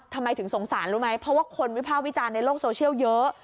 ทำไมถึงสงสารรู้ไหมเพราะว่าคนวิภาควิจารณ์ในโลกโซเชียลเยอะ